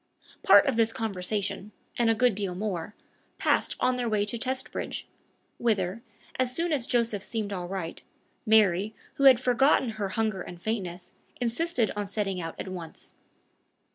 Part of this conversation, and a good deal more, passed on their way to Testbridge, whither, as soon as Joseph seemed all right, Mary, who had forgotten her hunger and faintness, insisted on setting out at once.